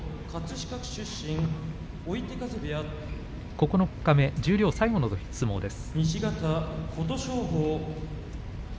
九日目、十両最後の相撲です。